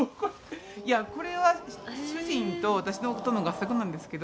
いやこれは主人と私の夫の合作なんですけど。